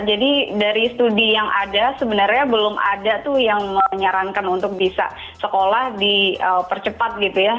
jadi dari studi yang ada sebenarnya belum ada tuh yang menyarankan untuk bisa sekolah dipercepat gitu ya